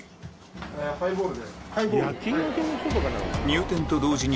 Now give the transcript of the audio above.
入店と同時に